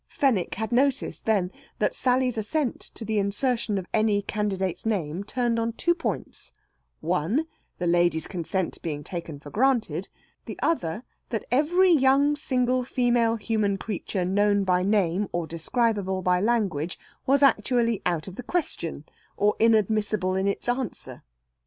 Fenwick had noticed, then, that Sally's assent to the insertion of any candidate's name turned on two points: one, the lady's consent being taken for granted; the other, that every young single female human creature known by name or describable by language was actually out of the question, or inadmissible in its answer.